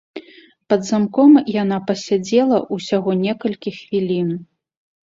Пад замком яна пасядзела ўсяго некалькі хвілін.